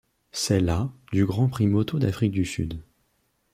C'est la du Grand Prix moto d'Afrique du Sud.